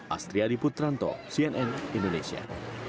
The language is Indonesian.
astri adiputranto cnn indonesia